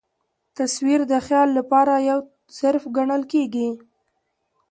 تصویر د خیال له پاره یو ظرف ګڼل کېږي.